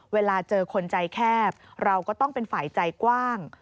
เวลาเจอคนใจแคบเราก็ต้องเป็นฝ่ายใจกว้าง